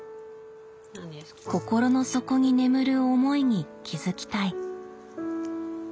心の底に眠る思いに気付きたい。